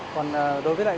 còn đối với lại